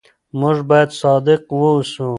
موږ باید صادق واوسو.